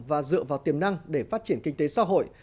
và dựa vào tiềm năng để phát triển kinh tế xã hội